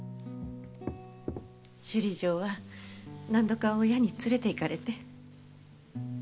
首里城は何度か親に連れていかれて。